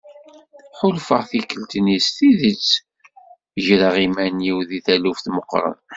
Ḥulfaɣ tikkelt-nni s tidet greɣ iman-iw di taluft meqqren.